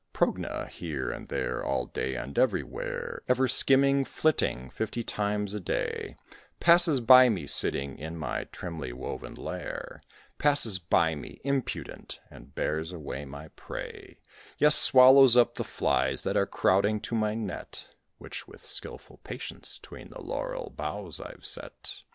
Progne here and there, all day, and everywhere, Ever skimming, flitting, fifty times a day, Passes by me sitting in my trimly woven lair; Passes by me impudent, and bears away my prey: Yes, swallows up the flies that are crowding to my net, Which with skilful patience 'tween the laurel boughs I've set."